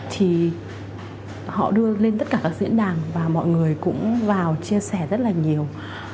thì họ đưa lên tất cả các diễn đàn và mọi người cũng vào chia sẻ rất là nhiều